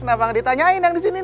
kenapa ditanyain yang disini